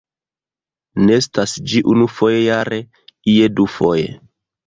Nestas ĝi unufoje jare, ie dufoje.